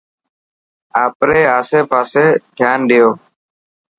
آپري آسي پاسي ڌيان ڏيو.